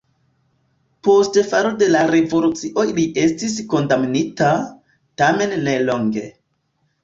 Post falo de la revolucio li estis kondamnita, tamen ne longe.